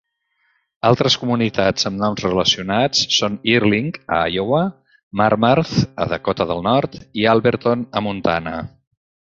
Altres comunitats amb noms relacionats són Earling, a Iowa, Marmarth, a Dakota del Nord i Alberton, a Montana.